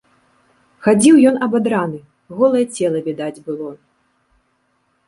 Хадзіў ён абадраны, голае цела відаць было.